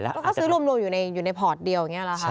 แล้วก็ซื้อรวมอยู่ในพอร์ตเดียวอย่างนี้หรอคะ